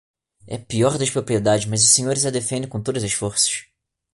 É a pior das propriedades, mas os senhores a defendem com todas as forças.